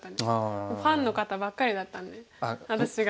ファンの方ばっかりだったんで私が。